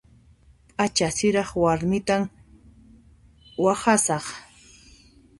P'acha siraq warmitan waqhasaq.